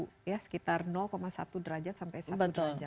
meningkatin di suhu ya sekitar satu derajat sampai satu derajat